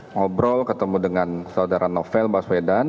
ngobrol ketemu dengan saudara novel baswedan